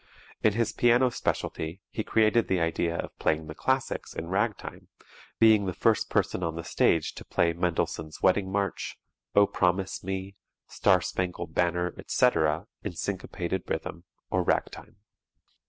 In his piano specialty he created the idea of playing the classics in "Ragtime," being the first person on the stage to play "Mendelssohn's Wedding March," "Oh Promise Me," "Star Spangled Banner," etc., in syncopated rhythm or "Ragtime."